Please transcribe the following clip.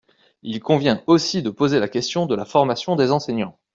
Il convient aussi de poser la question de la formation des enseignants.